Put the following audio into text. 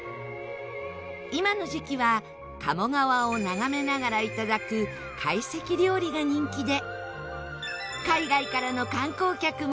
今の時期は鴨川を眺めながらいただく懐石料理が人気で。